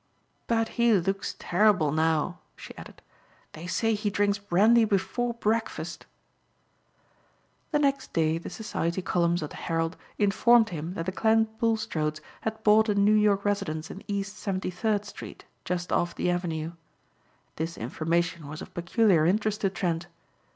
"But he looks terrible now," she added, "they say he drinks brandy before breakfast!" The next day the society columns of the Herald informed him that the Clent Bulstrodes had bought a New York residence in East 73d street, just off the Avenue. This information was of peculiar interest to Trent.